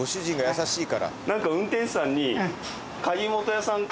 なんか運転手さんに。